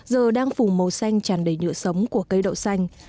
giờ đang phủ màu xanh chẳng đầy nhựa sống của cây đậu xanh